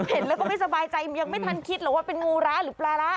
เห็นแล้วก็ไม่สบายใจยังไม่ทันคิดหรอกว่าเป็นงูร้าหรือปลาร้า